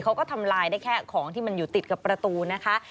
เขาก็ทำลายได้แค่ของที่มันอยู่ติดกับประตูนะคะ